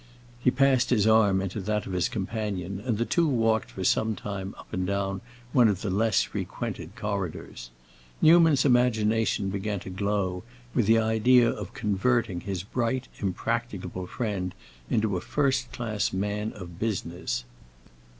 He passed his arm into that of his companion, and the two walked for some time up and down one of the less frequented corridors. Newman's imagination began to glow with the idea of converting his bright, impracticable friend into a first class man of business.